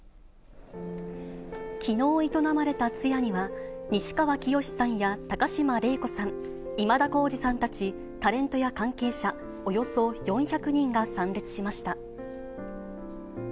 きのう営まれた通夜には、西川きよしさんや高島礼子さん、今田耕司さんたちタレントや関係者、およそ４００人が参列しました。